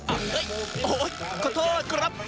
โอ้โฮโอ๊ยขอโทษค่ะครับ